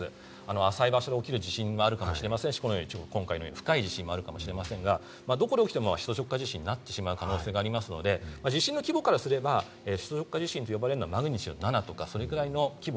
浅い場所で起きる地震でもありますし、今回のように深い地震もあるかもしれませんが、どこで起きても首都直下地震になってしまう可能性があるので、地震の規模からすると首都直下地震はマグニチュード７とか、それぐらいの規模。